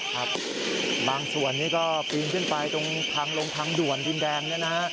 ครับบางส่วนนี้ก็ปีนขึ้นไปตรงทางลงทางด่วนดินแดงเนี่ยนะฮะ